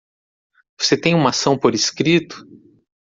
Você tem uma ação por escrito?